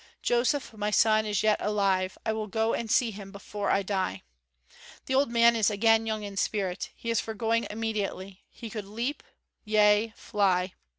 Joseph my son is yet alive. I will go and see him before I die." The old man is again young in spirit. He is for going immediately; he could leap, yea, fly.